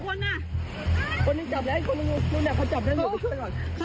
ให้คนลงพอจับได้ก็ช่วยหน่อย